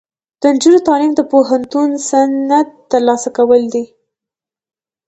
د نجونو تعلیم د پوهنتون سند ترلاسه کول دي.